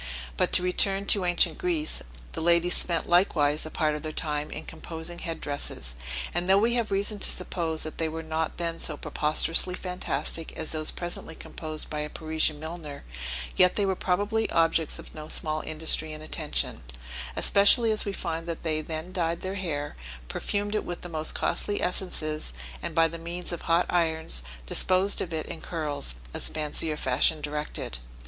But to return to ancient Greece; the ladies spent likewise a part of their time in composing head dresses, and though we have reason to suppose that they were not then so preposterously fantastic as those presently composed by a Parisian milliner, yet they were probably objects of no small industry and attention, especially as we find that they then dyed their hair, perfumed it with the most costly essences, and by the means of hot irons disposed of it in curls, as fancy or fashion directed.